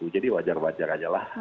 jadi wajar wajar saja lah